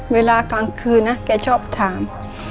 เวลากลางคืนนะแกชอบถาม